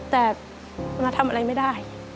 แต่มันทำอะไรไม่ได้